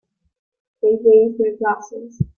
They raise their glasses.